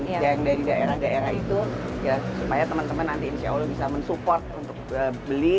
ya yang dari daerah daerah itu ya supaya temen temen nanti insya allah bisa men support untuk beli